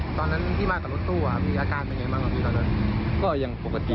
ผมก็โทรหาประกันพอดี